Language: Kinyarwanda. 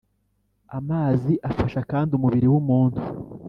amazi afasha kandi umubiri w’umuntu